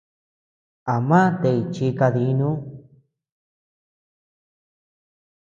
A maa tey chi kadinuu.